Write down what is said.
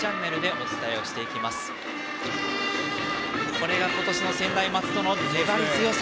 これが今年の専大松戸の粘り強さ。